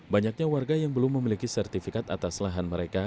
banyaknya warga yang belum memiliki sertifikat atas lahan mereka